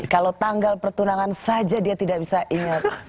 kalau tanggal pertunangan saja dia tidak bisa ingat